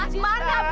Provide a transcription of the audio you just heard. buktinya enggak ada